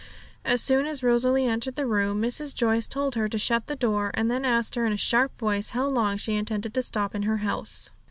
As soon as Rosalie entered the room, Mrs. Joyce told her to shut the door, and then asked her in a sharp voice how long she intended to stop in her house.